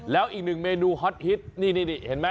แล้วอีกหนึ่งเมนูฮอตฮิตนี่เห็นไหม